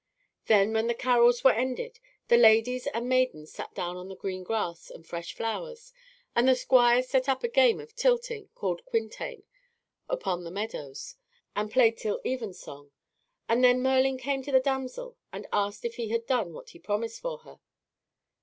Then when the carols were ended, the ladies and maidens sat down on the green grass and fresh flowers, and the squires set up a game of tilting called quintain upon the meadows and played till even song; and then Merlin came to the damsel and asked if he had done what he promised for her.